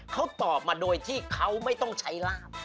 เขาตอบมาโดยที่เขาไม่ต้องใช้ลาบ